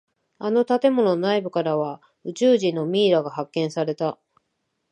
あの建物の内部からは宇宙人のミイラが発見された。